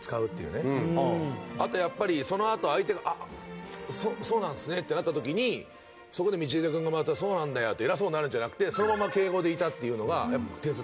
あとやっぱりそのあと相手が「ああそうなんですね」ってなった時にそこで道枝くんがまた「そうなんだよ」って偉そうになるんじゃなくてそのまま敬語でいたっていうのが点数高いな。